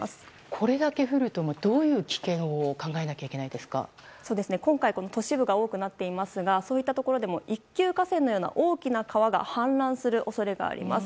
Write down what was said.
これだけ降るとどういう危険を今回、都市部が多くなっていますがそういったところでも一級河川のような大きな川が氾濫する恐れがあります。